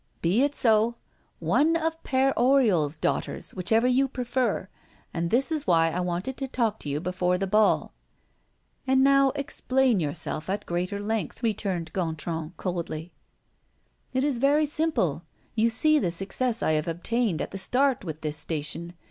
"Be it so one of Père Oriol's daughters, whichever you prefer. And this is why I wanted to talk to you before the ball." "And now explain yourself at greater length," returned Gontran, coldly. "It is very simple. You see the success I have obtained at the start with this station.